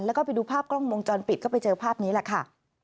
แล้วก็ไปดูภาพกล้องวงจรปิดก็ไปเจอภาพนี้แหละค่ะ